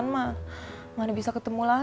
kamu ada tekstur t maka